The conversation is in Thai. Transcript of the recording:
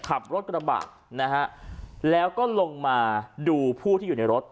ขับรถกระบะนะฮะแล้วก็ลงมาดูผู้ที่อยู่ในรถ